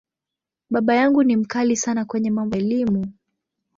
Baba yangu ni ‘mkali’ sana kwenye mambo ya Elimu.